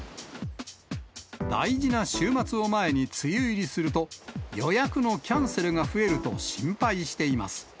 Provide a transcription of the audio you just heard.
大事な週末を前に梅雨入りすると、予約のキャンセルが増えると心配しています。